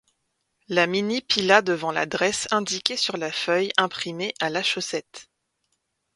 La Mini pila devant l’adresse indiquée sur la feuille imprimée à la Chaussette.